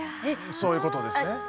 そういうことですね。